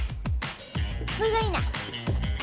これがいいな！